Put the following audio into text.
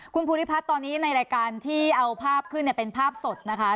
คุณภูริพัฒน์ตอนนี้ในรายการที่เอาภาพขึ้นเป็นภาพสดนะคะ